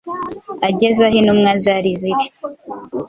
Ageze aho intumwa zari ziri,